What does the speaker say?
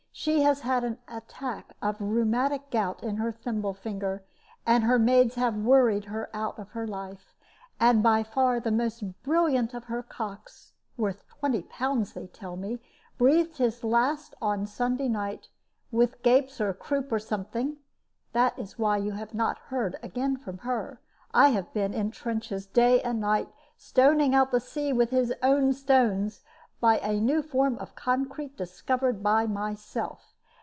She has had an attack of rheumatic gout in her thimble finger, and her maids have worried her out of her life, and by far the most brilliant of her cocks (worth 20 pounds they tell me) breathed his last on Sunday night, with gapes, or croup, or something. This is why you have not heard again from her. I have been in the trenches day and night, stoning out the sea with his own stones, by a new form of concrete discovered by myself.